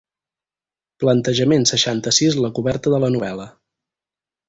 Plantejament seixanta-sis la coberta de la novel·la.